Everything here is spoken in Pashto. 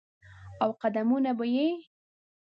او قدمونه به یې،